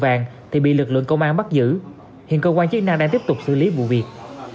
vàng thì bị lực lượng công an bắt giữ hiện cơ quan chức năng đang tiếp tục xử lý vụ việc